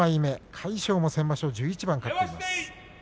魁勝も先場所１１番勝っています。